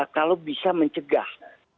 kalau bisa mencegah